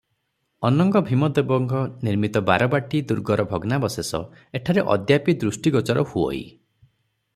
ଅନଙ୍ଗଭୀମଦେବଙ୍କ ସମୟ ନିର୍ମିତ ବାରବାଟୀ ଦୁର୍ଗର ଭଗ୍ନାବଶେଷ ଏଠାରେ ଅଦ୍ୟାପି ଦୃଷ୍ଟିଗୋଚର ହୁଅଇ ।